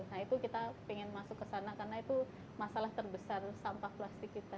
nah itu kita ingin masuk ke sana karena itu masalah terbesar sampah plastik kita